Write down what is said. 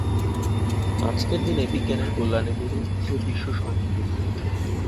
আজকের দিনে বিজ্ঞানের কল্যাণে গড়ে উঠেছে বিশ্ব সংস্কৃতি।